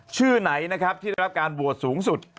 ชื่อไหนนะครับที่ได้รับการโหวตสูงสุด